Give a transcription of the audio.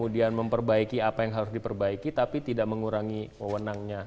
memperbaiki apa yang harus diperbaiki tapi tidak mengurangi wewenangnya